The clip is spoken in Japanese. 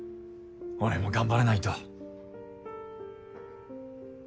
俺も頑張らないと。